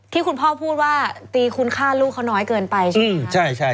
ที่คุณพ่อพูดว่าตีคุณฆ่าลูกเขาน้อยเกินไปใช่ไหมครับ